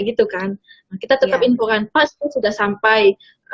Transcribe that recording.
kita tetap infokan pak sudah sampai